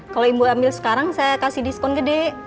kalau ibu ambil sekarang saya kasih diskon gede